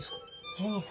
１２歳。